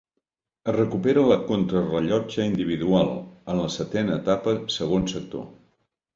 Es recupera la contrarellotge individual, en la setena etapa, segon sector.